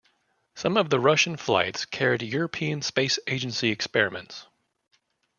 Some of the Russian flights carried European Space Agency experiments.